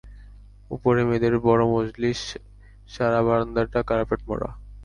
উপরে মেয়েদের বড় মজলিশ, সারা বারান্দাটা কার্পেট-মোড়া!